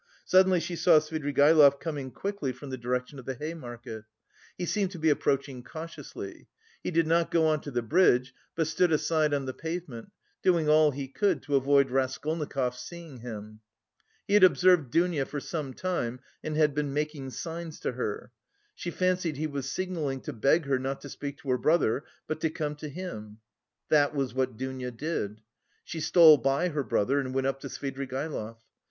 Suddenly she saw Svidrigaïlov coming quickly from the direction of the Hay Market. He seemed to be approaching cautiously. He did not go on to the bridge, but stood aside on the pavement, doing all he could to avoid Raskolnikov's seeing him. He had observed Dounia for some time and had been making signs to her. She fancied he was signalling to beg her not to speak to her brother, but to come to him. That was what Dounia did. She stole by her brother and went up to Svidrigaïlov.